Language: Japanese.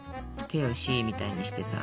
手を「Ｃ」みたいにしてさ。